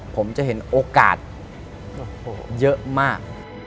ผมจะเห็นโอกาสเยอะมาก